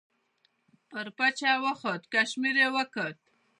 پر پچه وخوت، کشمیر یې وکوت.